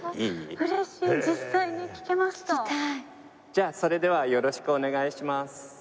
じゃあそれではよろしくお願いします。